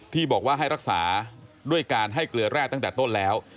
ที่บอกว่าให้รักษาด้วยการให้เกลือแร่ตั้งแต่ต้นแล้ว